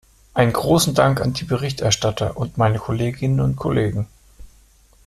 Einen großen Dank an die Berichterstatter und meine Kolleginnen und Kollegen.